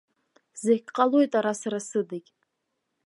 Зегь ҟалоит ара сара сыдагь.